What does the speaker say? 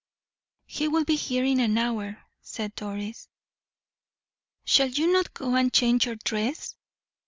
"He will be here in an hour," said Doris. "Shall you not go and change your dress?"